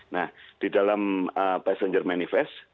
nah di dalam passenger manifest